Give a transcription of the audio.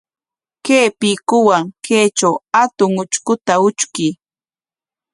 Kay piikuwan kaytraw hatun utrkuta utrkuy.